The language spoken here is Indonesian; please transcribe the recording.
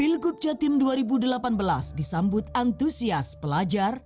pilgub jatim dua ribu delapan belas disambut antusias pelajar